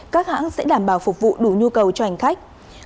các hãng sẽ đảm bảo phục vụ đủ nhu cầu cho hành khách